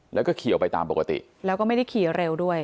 แล้วก็ขี่ไปตามปกติแล้วก็ไม่ได้ขี่เร็วด้วย